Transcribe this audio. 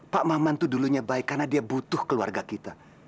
pak maman itu dulunya baik karena dia butuh keluarga kita